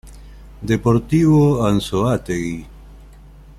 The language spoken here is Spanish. Deportivo Anzoátegui